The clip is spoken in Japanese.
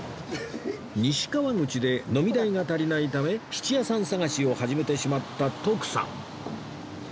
西川口で飲み代が足りないため質屋さん探しを始めてしまった徳さん